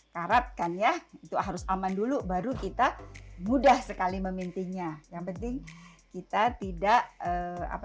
karat kan ya itu harus aman dulu baru kita mudah sekali memintingnya yang penting kita tidak apa